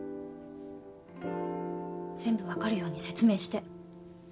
全部分かるように説明して。